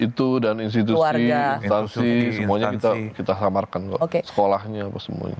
itu dan institusi instansi semuanya kita samarkan sekolahnya semuanya